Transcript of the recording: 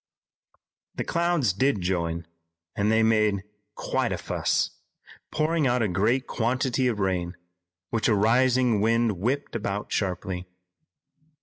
The clouds did join, and they made quite a "fuss," pouring out a great quantity of rain, which a rising wind whipped about sharply.